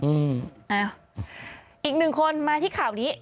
อ้าวอีกหนึ่งคนมาที่ข่าวนี้